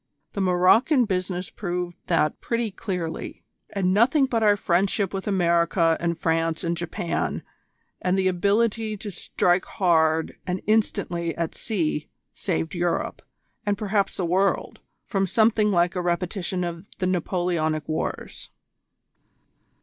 The Maroocan business proved that pretty clearly; and nothing but our friendship with America and France and Japan, and the ability to strike hard and instantly at sea, saved Europe, and perhaps the world, from something like a repetition of the Napoleonic wars."